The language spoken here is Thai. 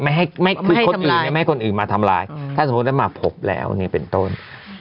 ไม่ให้คนอื่นมาทำลายถ้าสมมติได้มาพบแล้วเนี่ยเป็นต้น